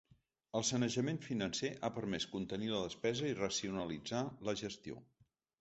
El sanejament financer ha permès contenir la despesa i racionalitzar la gestió.